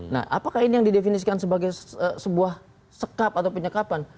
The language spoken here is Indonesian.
nah apakah ini yang didefinisikan sebagai sebuah sekap atau penyekapan